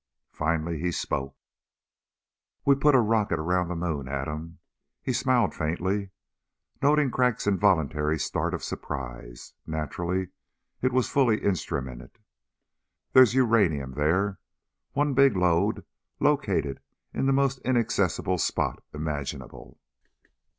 Finally he spoke: "We put a rocket around the moon, Adam." He smiled faintly, noting Crag's involuntary start of surprise. "Naturally it was fully instrumented. There's uranium there one big load located in the most inaccessible spot imaginable."